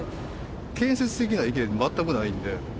建設的な意見、全くないんで。